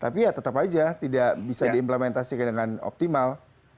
tapi ya tetap aja tidak bisa diimplementasikan dengan optimal